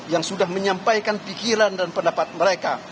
yang sudah menyampaikan pikiran dan pendapat mereka